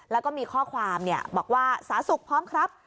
แล้วก็มีข้อความบอกว่าสาธารณสุขพร้อมครับ